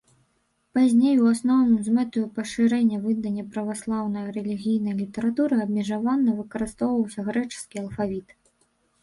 Пазней, у асноўным, з мэтаю пашырэння выдання праваслаўнай рэлігійнай літаратуры, абмежавана выкарыстоўваўся грэчаскі алфавіт.